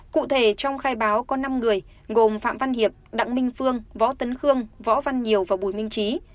cụ thể trong khai báo có năm người gồm phạm văn hiệp đặng minh phương võ tấn khương võ văn nhiều và bùi minh trí